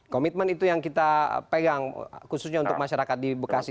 komitmen itu yang kita pegang khususnya untuk masyarakat di bekasi